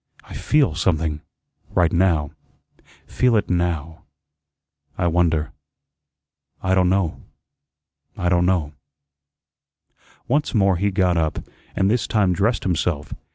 I feel something right now; feel it now. I wonder I don' know I don' know." Once more he got up, and this time dressed himself.